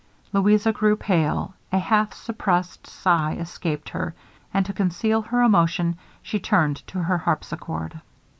Louisa grew pale, a half suppressed sigh escaped her, and, to conceal her emotion, she turned to her harpsichord.